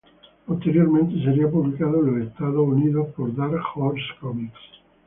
Posteriormente sería publicado en los Estados Unidos por Dark Horse Comics.